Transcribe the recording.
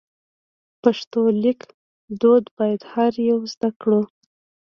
پښتو لیک دود باید هر یو زده کړو.